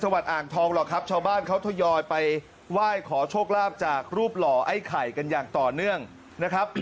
วัดอ่างทองหรอกครับชาวบ้านเขาทยอยไปไหว้ขอโชคลาภจากรูปหล่อไอ้ไข่กันอย่างต่อเนื่องนะครับ